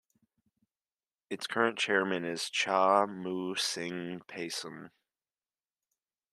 Its current Chairman is Cha Mou Sing Payson.